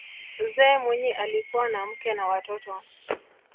mzee mwinyi alikuwa na mke na watoto